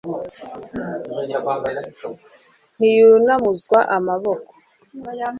ntiyunamuzwa amaboko